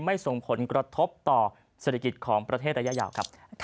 ส่งผลกระทบต่อเศรษฐกิจของประเทศระยะยาวครับ